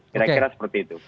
kira kira seperti itu